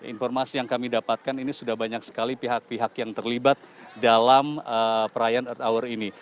informasi yang kami dapatkan ini sudah banyak sekali pihak pihak yang terlibat dalam perayaan earth hour ini